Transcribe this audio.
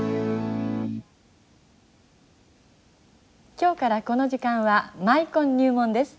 今日からこの時間はマイコン入門です。